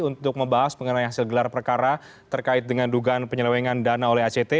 untuk membahas mengenai hasil gelar perkara terkait dengan dugaan penyelewengan dana oleh act